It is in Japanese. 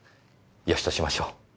よしとしましょう。